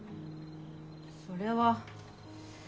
それは。